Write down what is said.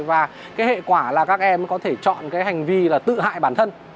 và cái hệ quả là các em có thể chọn cái hành vi là tự hại bản thân